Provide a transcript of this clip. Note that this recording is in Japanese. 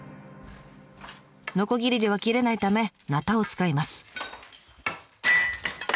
のこぎりでは切れないためなたを使います。